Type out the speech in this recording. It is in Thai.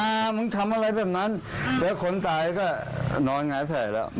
มึงทำอะไรแบบนั้นแล้วคนตายก็นอนหงายแผลแล้ว